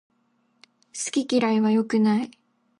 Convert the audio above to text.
好き嫌いは良くない